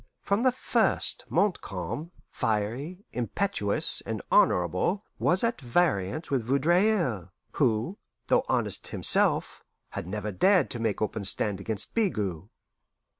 From the first, Montcalm, fiery, impetuous, and honourable, was at variance with Vaudreuil, who, though honest himself, had never dared to make open stand against Bigot.